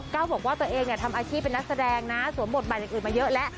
ก้าวบอกว่าตัวเองทำอาชีพเป็นนักแสดงนะสวมบทบาทอีกมาเยอะแล้ว